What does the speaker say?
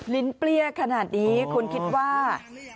ลิ้นเปรี้ยขนาดนี้คุณคิดว่า